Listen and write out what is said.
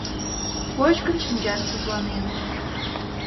Кочкын шинчат сутланен.